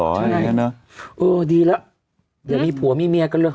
โอ้ดีแล้วเดี๋ยวมีผัวมีเมียกันแล้ว